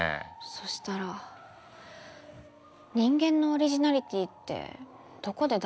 そしたら人間のオリジナリティーってどこで出せばいいんですか？